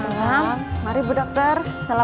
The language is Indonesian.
saya menjanda hidup trabaj nelle